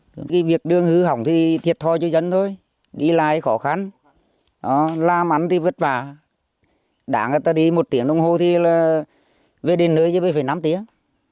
cái việc đường hư hỏng thì thiệt thôi cho dân thôi đi lại khó khăn làm ăn thì vất vả đáng là ta đi một tiếng đồng hồ thì là về đến nơi chứ mới phải năm tiếng